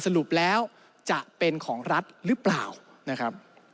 สรุปแล้วจะเป็นของรัฐหรือเปล่านะครับ